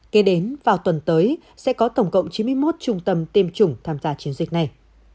kế đến vào tuần tới sẽ có tổng cộng chín mươi một trung tâm tiêm chủng tham gia chiến dịch này